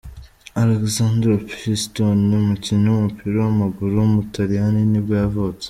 Alessandro Pistone, umukinnyi w’umupira w’amaguru w’umutaliyani nibwo yavutse.